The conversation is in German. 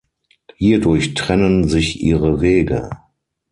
Hierdurch trennen sich ihre Wege.